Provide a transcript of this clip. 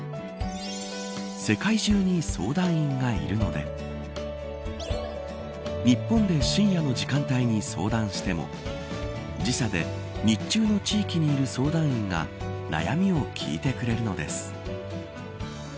世界中に相談員がいるので日本で深夜の時間帯に相談しても時差で日中の地域にいる相談員が悩みを聞いてくれるのです。